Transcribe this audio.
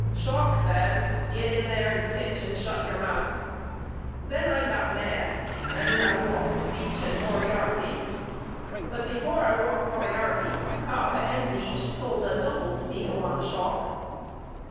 Schalk says Get in there and pitch and shut your mouth. Then I got mad and walked Veach and Moriarty but before I walked Moriarty Cobb and Veach pulled a double steal on Schalk.